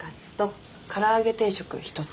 唐揚げ定食１つ。